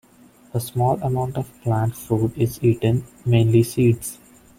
A small amount of plant food is eaten, mainly seeds.